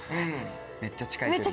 めっちゃ近い距離。